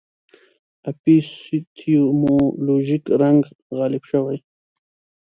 اپیستیمولوژیک رنګ غالب شوی.